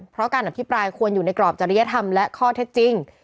เพราะการอภิปรายควรอยู่ในกรอบจริยธรรมและข้อเท็จจริง